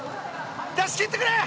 出し切ってくれ！